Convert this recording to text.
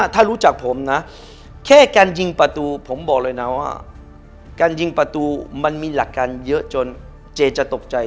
ถ้ารู้จักผมนะแค่การยิงประตูผมบอกเลยนะว่าการยิงประตูมันมีหลักการเยอะจนเจจะตกใจ